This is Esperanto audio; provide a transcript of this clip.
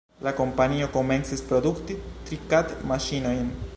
La kompanio komencis produkti trikad-maŝinojn.